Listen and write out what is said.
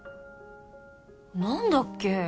何だっけ？